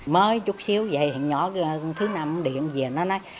mới chút xíu vậy nhỏ thứ năm điện về nó nói